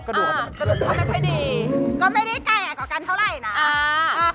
กระดูกอาจจะเตือนไป